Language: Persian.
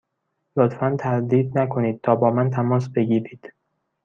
لطفا تردید نکنید تا با من تماس بگیرید.